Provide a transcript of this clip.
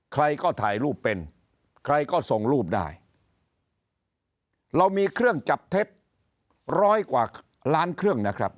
ใครก็ถ่ายรูปเป็นใครก็ส่งรูปได้เรามีเครื่องจับเท็จร้อยกว่าล้านเครื่องนะครับ